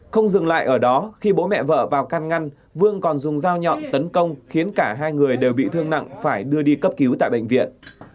không dừng lại ở đó khi bố mẹ vợ vào can ngăn vương còn dùng dao nhọn tấn công khiến cả hai người đều bị thương nặng phải đưa đi cấp cứu tại bệnh viện